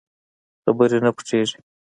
خبرې نه پټېږي.